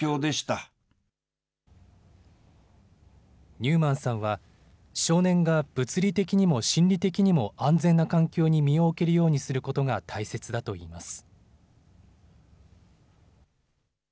ニューマンさんは、少年が物理的にも心理的にも安全な環境に身を置けるようにすることが大切だといいます。